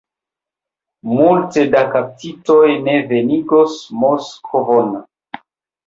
Multe da kaptitoj ni venigos Moskvon!